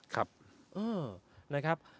ครับ